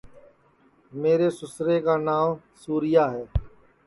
میرے سُسرے کانانٚو سُورِیا ہے